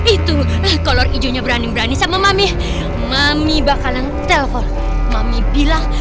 itu kolor hijaunya berani berani sama mami mami bakalan telkom mami bilang